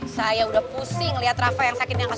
saya udah pusing lihat rafa yang sakit nyangka